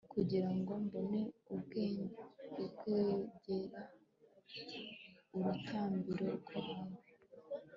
kugira ngo mbone ubwegera urutambiro rwawe